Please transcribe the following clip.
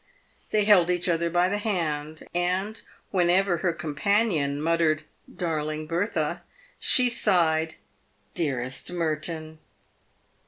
They held each other by the hand, and, whenever her com panion muttered " darling Bertha," she sighed " dearest Merton."